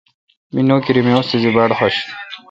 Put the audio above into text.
می نوکری می استادی باڑخوش این۔